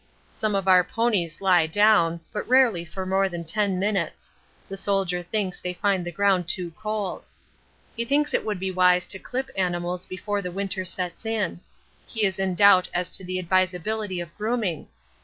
Some of our ponies lie down, but rarely for more than 10 minutes the Soldier thinks they find the ground too cold. He thinks it would be wise to clip animals before the winter sets in. He is in doubt as to the advisability of grooming.